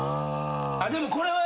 でもこれは。